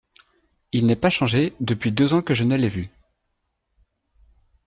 Il n’est pas changé depuis deux ans que je ne l’ai vu !…